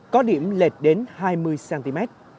có điểm lệch đến hai mươi cm